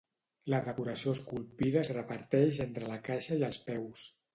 La decoració esculpida es reparteix entre la caixa i els peus.